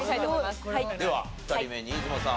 では２人目新妻さん